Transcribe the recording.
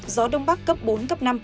gió đông bắc cấp bốn cấp năm